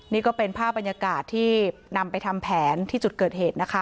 นี่ก็เป็นภาพบรรยากาศที่นำไปทำแผนที่จุดเกิดเหตุนะคะ